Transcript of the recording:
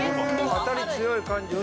当たり強い感じで。